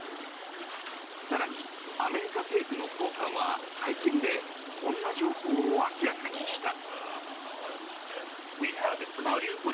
更に、アメリカ政府の高官は会見でこんな情報を明らかにした。